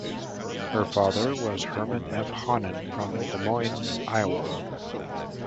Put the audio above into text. Her father was Herman F. Hahnen from Des Moines, Iowa.